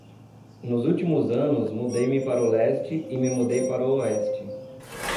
Nos últimos anos, mudei-me para o leste e me mudei para o oeste.